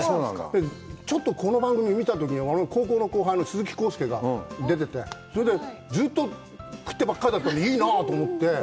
ちょっとこの番組を見たときに、高校の後輩の鈴木浩介が出てて、出てて、それでずっと食ってばっかりだったので、いいなぁと思って。